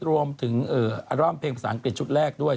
รวมถึงอัลเพลงภาษาอังกฤษชุดแรกด้วย